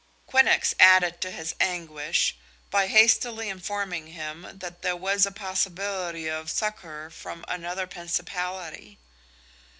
Quinnox added to his anguish by hastily informing him that there was a possibility of succor from another principality.